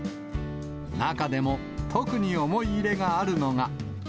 中でも、特に思い入れがあるのが。